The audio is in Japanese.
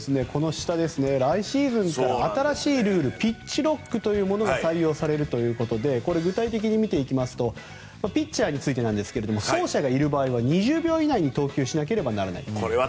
来シーズンから新しいルールピッチロックが採用されるということで具体的に見ていきますとピッチャーについて走者がいる場合は２０秒以内に投球しなければならない。